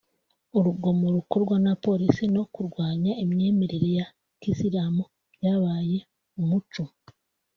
urugomo rukorwa na Polisi no kurwanya imyemerere ya Kiyisilamu byabaye umuco